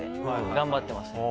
頑張ってます。